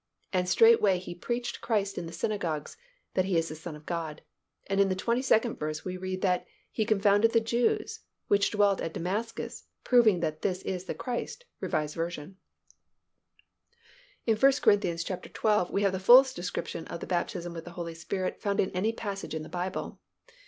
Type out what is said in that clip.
And straightway, he preached Christ in the synagogues, that He is the Son of God," and in the twenty second verse we read that he "confounded the Jews which dwelt at Damascus, proving that this is the Christ" (R. V.). In 1 Cor. xii. we have the fullest discussion of the baptism with the Holy Spirit found in any passage in the Bible.